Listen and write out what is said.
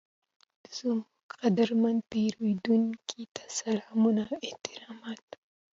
زموږ قدرمن پیرودونکي ته سلامونه او احترامات،